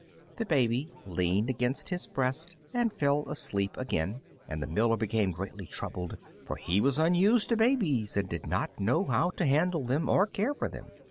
The baby leaned against his breast and fell asleep again, and the miller became greatly troubled, for he was unused to babies and did not know how to handle them or care for them.